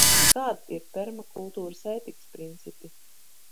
Kādi ir permakultūras ētikas principi?